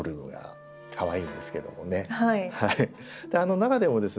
中でもですね